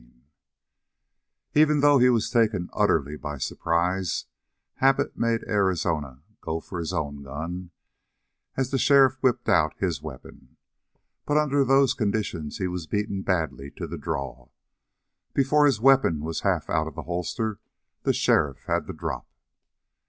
31 Even though he was taken utterly by surprise, habit made Arizona go for his own gun, as the sheriff whipped out his weapon. But under those conditions he was beaten badly to the draw. Before his weapon was half out of the holster, the sheriff had the drop.